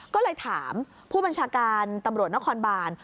ก็เลยถามผู้บัญชาการตำรวจนครบาน